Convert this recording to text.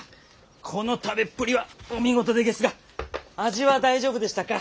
この食べっぷりはお見事でげすが味は大丈夫でしたか？